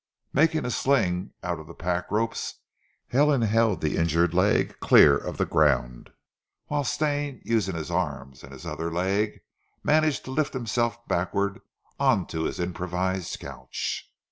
Making a sling out of the pack ropes, Helen held the injured leg clear of the ground, whilst Stane, using his arms and his other leg, managed to lift himself backward on to his improvised couch.